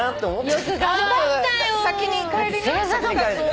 よく頑張ったよ。